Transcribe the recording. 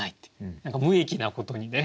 何か無益なことにね